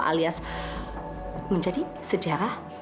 alias menjadi sejarah